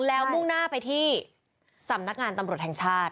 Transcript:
แล้วมุ่งหน้าไปที่สำนักงานตำรวจแห่งชาติ